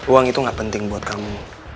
uang itu gak penting buat kamu